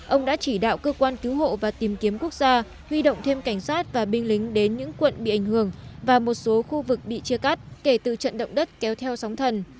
ông đã chỉ đạo cơ quan cứu hộ và tìm kiếm quốc gia huy động thêm cảnh sát và binh lính đến những quận bị ảnh hưởng và một số khu vực bị chia cắt kể từ trận động đất kéo theo sóng thần